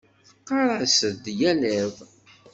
Teɣɣar-as-d yal iḍ.